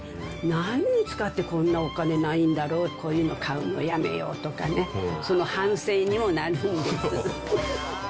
何に使ってこんなお金ないんだろう、こういうの買うのやめようとかね、その反省にもなるんです。